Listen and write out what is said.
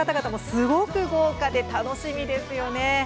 すごく豪華で楽しみですよね。